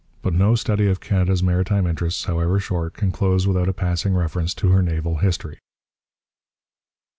But no study of Canada's maritime interests, however short, can close without a passing reference to her naval history.